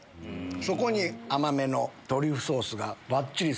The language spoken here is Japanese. そこに甘めのトリュフソースがばっちり！